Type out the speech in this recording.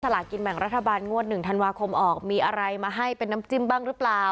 ลากินแบ่งรัฐบาลงวด๑ธันวาคมออกมีอะไรมาให้เป็นน้ำจิ้มบ้างหรือเปล่า